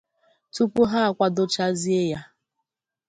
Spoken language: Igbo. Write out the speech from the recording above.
tupu ha akwádochazie ya